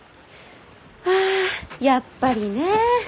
あやっぱりねえ！